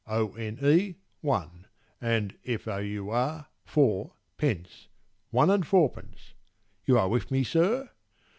O n e one and f o u r four Pence, one and fourpence—you are with me, sir?